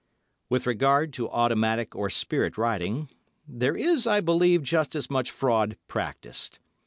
With regard to automatic or spirit writing, there is, I believe, just as much fraud practised.